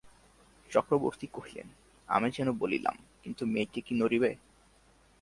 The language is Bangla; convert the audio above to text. চক্রবর্তী কহিলেন, আমি যেন বলিলাম, কিন্তু মেয়েটি কি নড়িবে?